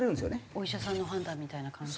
お医者さんの判断みたいな感じで？